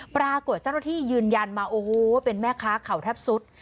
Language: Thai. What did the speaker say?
ปรากฏเจ้าหน้าที่ยืนยันมาโอ้โหเป็นแม่ค้าเขาแทบสุด